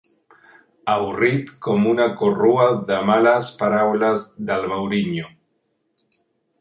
Avorrit com una corrua de males paraules del Mourinho.